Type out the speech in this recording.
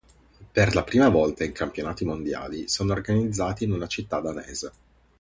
Per la prima volta i Campionati Mondiali sono organizzati in una città danese.